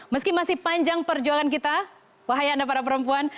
meski masih panjang perjuangan kita wahai anda para perempuan